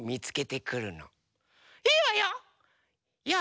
いくわよ。